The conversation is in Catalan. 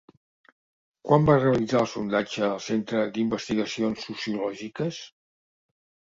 Quan va realitzar el sondatge el Centre d'Investigacions Sociològiques?